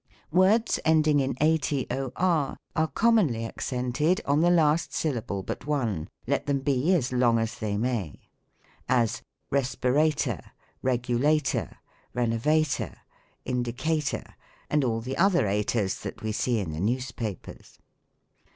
Words ending in ator are commonly accented on the last syllable but one, let them be as long as they may : as, respirator, regulator, renovator, indicator, and ail the other ators shat we see in the newspapers.